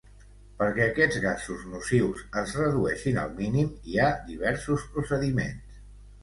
Perquè aquests gasos nocius es redueixin al mínim hi ha diversos procediments.